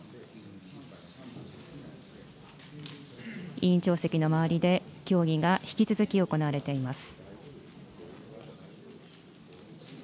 委員長席の周りで協議が引き続き行われています。